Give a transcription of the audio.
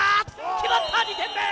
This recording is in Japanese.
決まった、２点目！